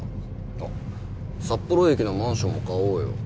あっ札幌駅のマンションも買おうよ。